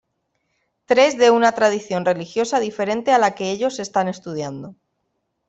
Tres de una tradición religiosa diferente a la que ellos están estudiando.